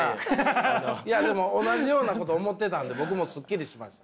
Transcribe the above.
いやでも同じようなこと思ってたんで僕もすっきりしました。